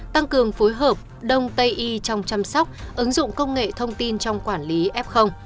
tăng cường phối hợp đông tây y trong chăm sóc ứng dụng công nghệ thông tin trong quản lý f